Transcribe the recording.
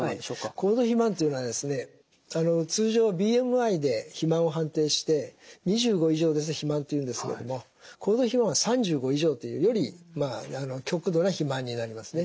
高度肥満というのはですね通常ＢＭＩで肥満を判定して２５以上ですと肥満というんですけれども高度肥満は３５以上というより極度な肥満になりますね。